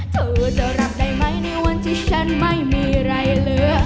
เธอจะรับได้ไหมในวันที่ฉันไม่มีอะไรเหลือ